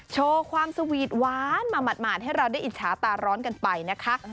โชว์ความสวีทหวานมาหมาดให้เราได้อิจฉาตาร้อนกันไปนะคะ